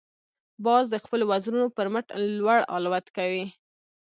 باز د خپلو وزرونو پر مټ لوړ الوت کوي